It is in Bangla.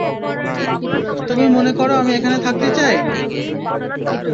তুমি মনে করো আমি এখানে থাকতে চাই?